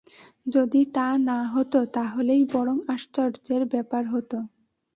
যদি তা না হত, তাহলেই বরং আশ্চর্যের ব্যাপার হত।